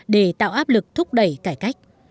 để tạo áp lực thúc đẩy cải cách